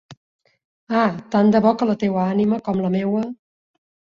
Ah! Tant de bo que la teua ànima, com la meua...